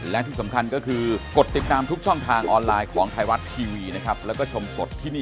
แล้วงานงอกตามมาเนี่ยก็คนละม้วนด้วย